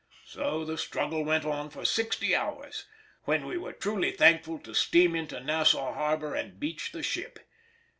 So the struggle went on for sixty hours, when we were truly thankful to steam into Nassau harbour and beach the ship.